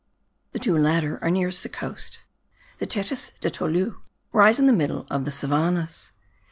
The two latter are nearest the coast. The Tetas de Tolu rise in the middle of the savannahs.